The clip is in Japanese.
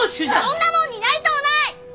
そんなもんになりとうない！